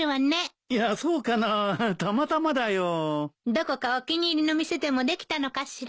どこかお気に入りの店でもできたのかしら。